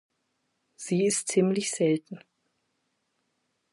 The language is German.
Sie ist ziemlich selten.